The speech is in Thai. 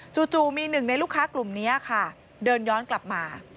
จู่มีหนึ่งในลูกค้ากลุ่มนี้ค่ะเดินย้อนกลับมา